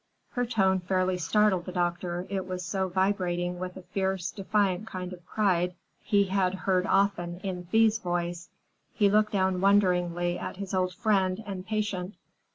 Her tone fairly startled the doctor, it was so vibrating with a fierce, defiant kind of pride he had heard often in Thea's voice. He looked down wonderingly at his old friend and patient.